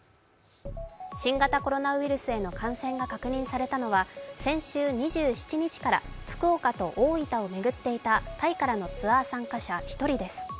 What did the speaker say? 新型コロナウイルスへの感染が確認されたのは先週２７日から福岡と大分を巡っていたタイからのツアー参加者１人です。